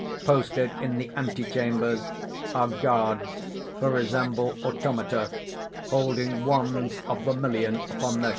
Posted in the anti chambers are guards, who resemble automata, holding wands of vermillion upon their shoulders.